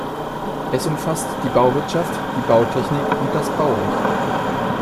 Es umfasst die Bauwirtschaft, die Bautechnik und das Baurecht.